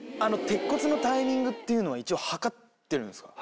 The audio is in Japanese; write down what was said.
鉄骨のタイミングっていうのは一応計ってるんすか？